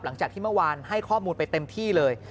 หลังจากที่เมื่อวานให้ข้อมูลไปเต็มที่เลย